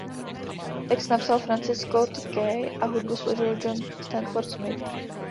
Text napsal Francis Scott Key a hudbu složil John Stafford Smith.